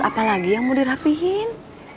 apalagi yang mau dirapiin